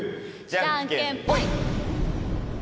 じゃんけんポイ！